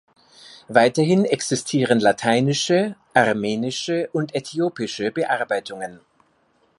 Weiterhin existieren lateinische, armenische und äthiopische Bearbeitungen.